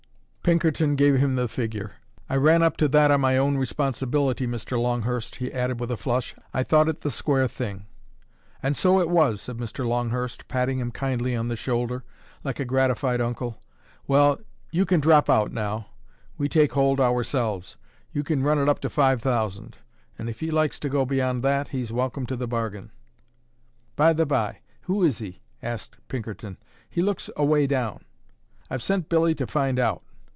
Pinkerton gave him the figure. "I ran up to that on my own responsibility, Mr. Longhurst," he added, with a flush. "I thought it the square thing." "And so it was," said Mr. Longhurst, patting him kindly on the shoulder, like a gratified uncle. "Well, you can drop out now; we take hold ourselves. You can run it up to five thousand; and if he likes to go beyond that, he's welcome to the bargain." "By the by, who is he?" asked Pinkerton. "He looks away down." "I've sent Billy to find out."